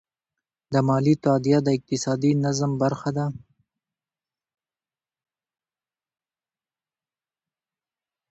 د مالیې تادیه د اقتصادي نظم برخه ده.